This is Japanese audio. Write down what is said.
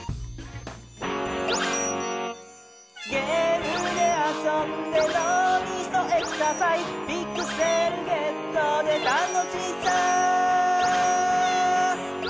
「ゲームであそんでのうみそエクササイズ」「ピクセルゲットで楽しさビッグサイズ」